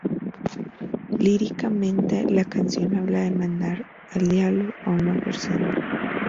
Líricamente, la canción habla de mandar al diablo a una persona.